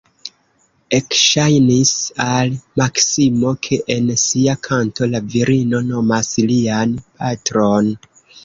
Ekŝajnis al Maksimo, ke en sia kanto la virino nomas lian patron.